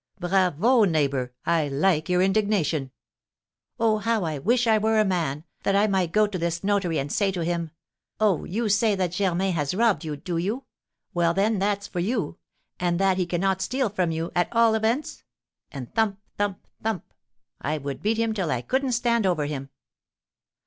"Bravo, neighbour; I like your indignation." "Oh, how I wish I were a man, that I might go to this notary and say to him, 'Oh, you say that Germain has robbed you, do you? Well, then, that's for you! And that he cannot steal from you, at all events?' And thump thump thump, I would beat him till I couldn't stand over him."